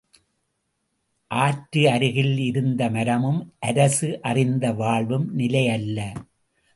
ஆற்று அருகில் இருந்த மரமும் அரசு அறிந்த வாழ்வும் நிலை அல்ல.